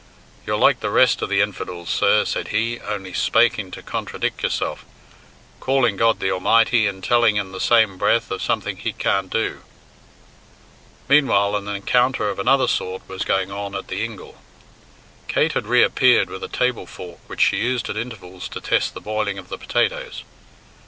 "You're like the rest of the infidels, sir," said he, "only spaking to contradick yourself calling God the Almighty, and telling in the same breath of something He can't do." Meanwhile an encounter of another sort was going on at the ingle. Kate had re appeared with a table fork which she used at intervals to test the boiling of the potatoes.